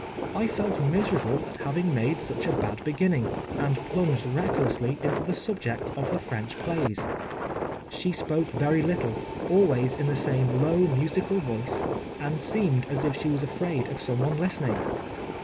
” I felt miserable at having made such a bad beginning, and plunged recklessly into the subject of the French plays. She spoke very little, always in the same low musical voice, and seemed as if she was afraid of some one listening.